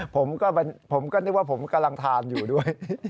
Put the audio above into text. ผมก็นึกว่าผมกำลังทานอยู่ด้วย